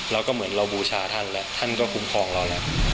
แล้วก็เหมือนเราบูชาท่านแล้วท่านก็คุ้มครองเราแล้ว